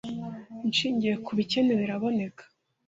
ishingiye ku bikenewe iraboneka.